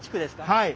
はい。